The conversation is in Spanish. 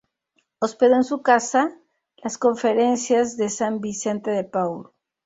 Hospedó en su casa las Conferencias de San Vicente de Paúl.